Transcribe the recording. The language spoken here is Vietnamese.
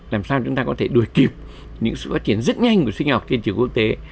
làm sao chúng ta có thể đuổi kịp những sự phát triển rất nhanh của sinh học trên trường quốc tế